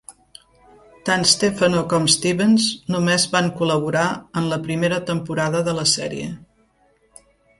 Tant Stefano com Stevens només van col·laborar en la primera temporada de la sèrie.